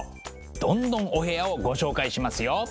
どんどんお部屋をご紹介しますよ。